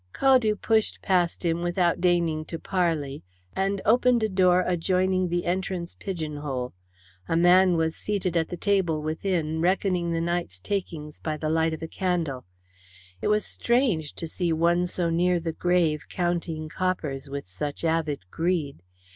Caldew pushed past him without deigning to parley, and opened a door adjoining the entrance pigeon hole. A man was seated at the table within, reckoning the night's takings by the light of a candle. It was strange to see one so near the grave counting coppers with such avid greed.